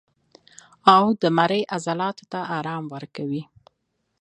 او د مرۍ عضلاتو له ارام ورکوي